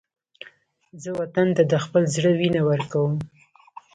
زه وطن ته د خپل زړه وینه ورکوم